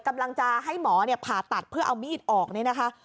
กำลังจะให้หมอผ่าตัดเพื่อเอามีดออกนี่นะคะ